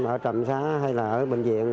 ở trầm xá hay là ở bệnh viện